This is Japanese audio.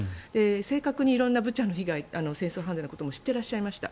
正確に色んなブチャの被害など戦争犯罪のことも知っていらっしゃいました。